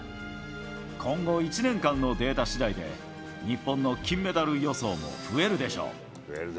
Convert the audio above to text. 今後１年間のデータしだいで、日本の金メダル予想も増えるでしょう。